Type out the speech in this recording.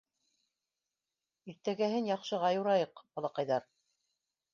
Иртәгәһен яҡшыға юрайыҡ, балаҡайҙар.